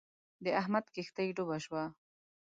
د احمد کښتی ډوبه شوه.